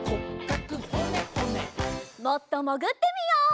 もっともぐってみよう。